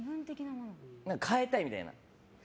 変えたいみたいな。